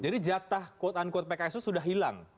jadi jatah quote unquote pks itu sudah hilang